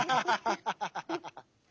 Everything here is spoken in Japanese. ハハハハッ！